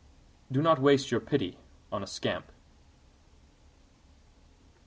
Do not waste your pity on a scamp.